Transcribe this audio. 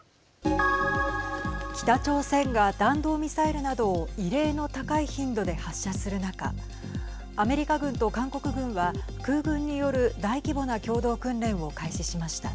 北朝鮮が弾道ミサイルなどを異例の高い頻度で発射する中アメリカ軍と韓国軍は空軍による大規模な共同訓練を開始しました。